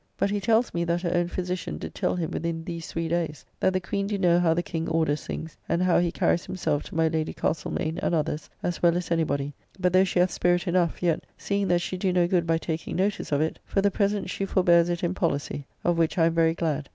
But he tells me that her own physician did tell him within these three days that the Queen do know how the King orders things, and how he carries himself to my Lady Castlemaine and others, as well as any body; but though she hath spirit enough, yet seeing that she do no good by taking notice of it, for the present she forbears it in policy; of which I am very glad.